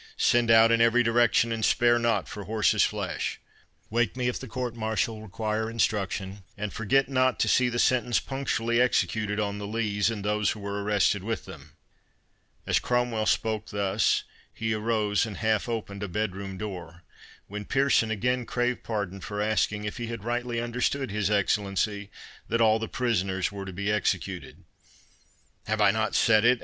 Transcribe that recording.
Send out in every direction, and spare not for horses' flesh. Wake me if the court martial require instruction, and forget not to see the sentence punctually executed on the Lees, and those who were arrested with them." As Cromwell spoke thus, he arose and half opened a bedroom door, when Pearson again craved pardon for asking if he had rightly understood his Excellency, that all the prisoners were to be executed. "Have I not said it?"